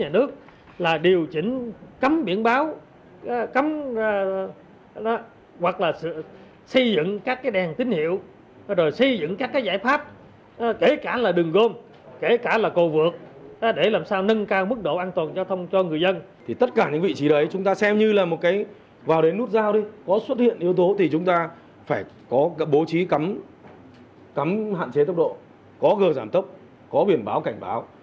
nếu có đến nút giao đi có xuất hiện yếu tố thì chúng ta phải có bố trí cấm hạn chế tốc độ có gờ giảm tốc có biển báo cảnh báo